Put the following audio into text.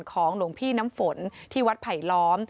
หลวงพี่น้ำฝนที่วัดไผลล้อม